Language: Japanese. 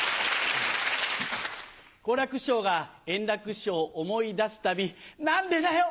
好楽師匠が円楽師匠を思い出すたび「何でだよ！